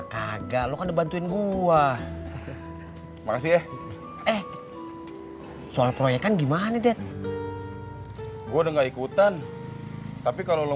kagak lo kan dibantuin gua makasih soal proyekan gimana det gue udah nggak ikutan tapi kalau lo